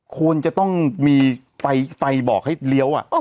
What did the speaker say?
ควรจะต้องมีไฟบอกให้เลี้ยว